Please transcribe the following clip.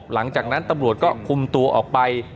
หลังจากนั้นตำรวจก็คุมตัวออกไป